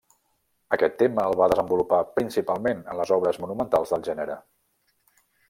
Aquest tema el va desenvolupar principalment en les obres monumentals del gènere.